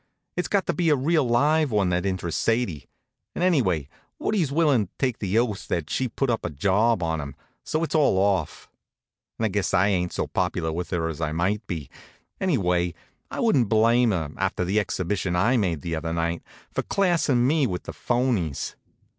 It's got to be a real live one that interests Sadie. And, anyway, Woodie's willing to take oath that she put up a job on him. So it's all off. And I guess I ain't so popular with her as I might be. Anyway, I wouldn't blame her, after the exhibition I made the other night, for classin' me with the phonies.